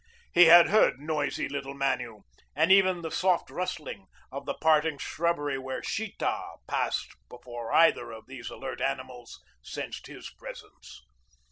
He had heard noisy little Manu, and even the soft rustling of the parting shrubbery where Sheeta passed before either of these alert animals sensed his presence.